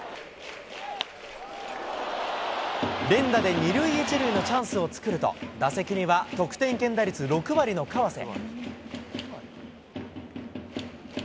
連打で２塁１塁のチャンスを作ると、打席には得点圏打率６割の川瀬。